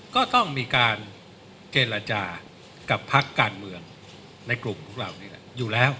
ก็ต้องมีการเจรจากับพักการเมืองในกลุ่มของเรานี่แหละอยู่แล้ว